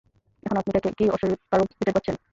এখন, আপনি কি অশরীরী কারো উপস্থিতি টের পাচ্ছেন?